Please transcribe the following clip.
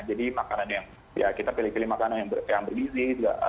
jadi makanan yang ya kita pilih pilih makanan yang berisi